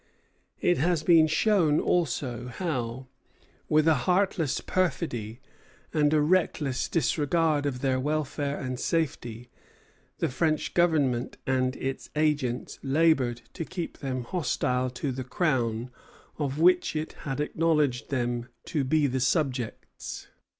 It has been shown also how, with a heartless perfidy and a reckless disregard of their welfare and safety, the French Government and its agents labored to keep them hostile to the Crown of which it had acknowledged them to be subjects.